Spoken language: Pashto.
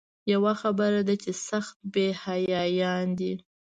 یوه خبره ده چې سخت بې حیایان دي.